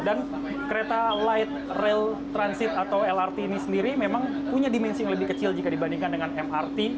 dan kereta light rail transit atau lrt ini sendiri memang punya dimensi yang lebih kecil jika dibandingkan dengan mrt